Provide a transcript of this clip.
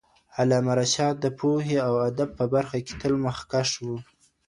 علامه رشاد د پوهې او ادب په برخه کې تل مخکښ وو.